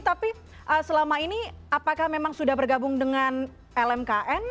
tapi selama ini apakah memang sudah bergabung dengan lmkn